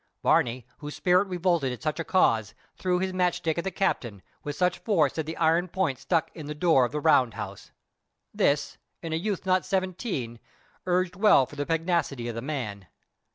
Barney, whose spirit revolted at such a cause, threw his match stick at the captain, with such force that the iron point stuck in the door of the round house. This, in a youth not seventeen, urged well for the pugnacity of the man.